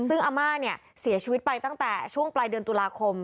ซึ่งอาม่าเนี่ยเสียชีวิตไปตั้งแต่ช่วงปลายเดือนตุลาคม